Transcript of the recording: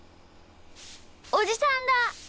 おじさんだ。